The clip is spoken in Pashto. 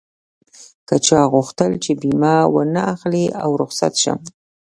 که چا غوښتل چې بيمه و نه اخلي او رخصت شم.